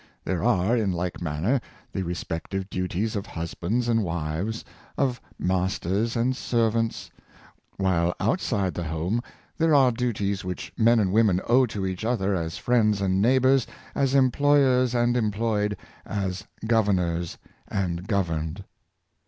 There are, in like manner, the respective duties of husbands and wives, of masters and servants ; while outside the home there are the duties which men and women owe to each other as friends and neighbors, as employers and em ployed, as governors and governed.